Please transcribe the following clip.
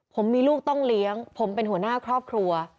ผมมีลูกต้องเลี้ยงผมเป็นหัวหน้าครอบครัว